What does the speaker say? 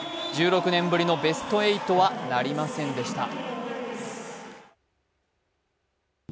１６年ぶりのベスト８はなりませんでした。